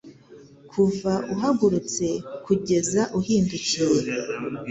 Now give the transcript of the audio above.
kuva uhagurutse kugeza uhindukiye